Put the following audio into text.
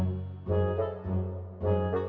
hmm enak tante